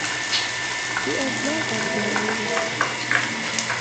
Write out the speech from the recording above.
We are glad that they made it.